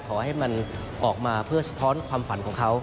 ขอให้มันออกมาเพื่อสะท้อนความฝันของเขา